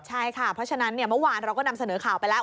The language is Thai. ใช่ค่ะเพราะฉะนั้นเมื่อวานเราก็นำเสนอข่าวไปแล้ว